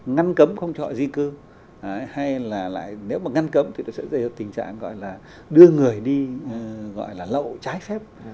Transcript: ngăn cấm không cho họ di cư hay là nếu mà ngăn cấm thì nó sẽ gây ra tình trạng gọi là đưa người đi gọi là lậu trái phép